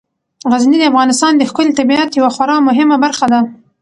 غزني د افغانستان د ښکلي طبیعت یوه خورا مهمه برخه ده.